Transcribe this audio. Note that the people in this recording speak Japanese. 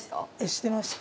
してました。